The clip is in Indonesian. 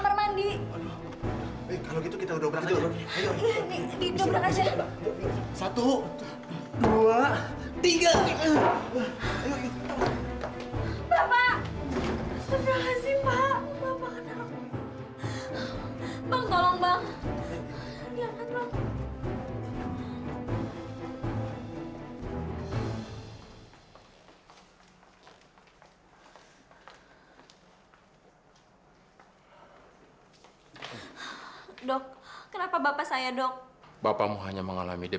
pak umar bapak mau pesan apa